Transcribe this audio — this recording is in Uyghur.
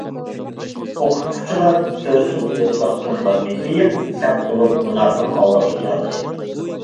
ئوقۇتقۇچىلار سۆسۈن تىۋىتلىق تونلىرىنى كىيىپ، سەپ بولۇپ مۇنارنىڭ ئالدىغا كەلدى.